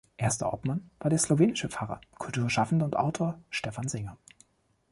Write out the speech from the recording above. Erster Obmann war der slowenische Pfarrer, Kulturschaffende und Autor Stefan Singer.